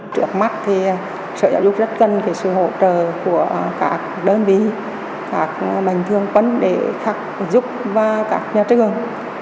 trước mắt thì sở giáo dục rất gân về sự hỗ trợ của các đơn vị các bành thương quân để khắc giúp và các nhà trường